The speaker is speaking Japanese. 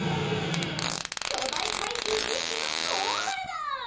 巨大怪獣２匹が大暴れだ！